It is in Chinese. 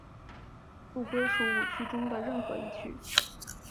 不归属五趣中的任何一趣。